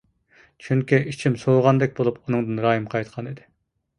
چۈنكى ئىچىم سوۋۇغاندەك بولۇپ، ئۇنىڭدىن رايىم قايتقان ئىدى.